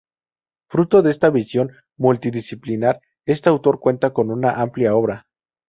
Fruto de esta visión multidisciplinar, este autor cuenta con una amplia obra.